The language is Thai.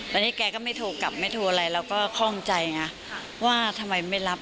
แล้วนี่แกก็ไม่โทรกลับไม่โทรอะไรเราก็คล่องใจไงว่าทำไมไม่รับ